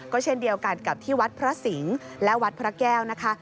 ก็เช่นเดียวกันกับที่วัดพระสิงศ์และวัดพระแก้วนะคะ